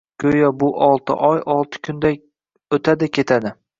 Goʻyo bu olti oy olti kunday tez oʻtadi-ketadi